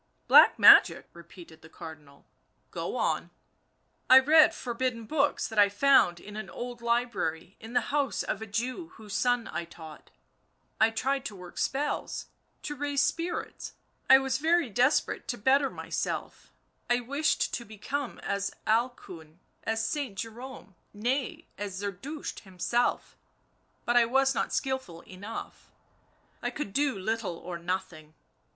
" Black magic," repeated the Cardinal, " go on." " I read forbidden books that I found in an old library in the house of a Jew whose son I taught— I tried to work spells, to raise spirits; I was very desperate to better myself, I wished to become as Alcuin, as Saint Jerome — nay, as Zerdusht himself, but I was not skilful enough. I could do little or nothing.